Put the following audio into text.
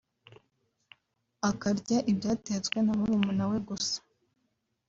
akarya ibyatetswe na murumuna we gusa